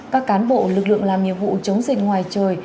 các cán bộ lực lượng làm nhiệm vụ chống dịch ngoài trời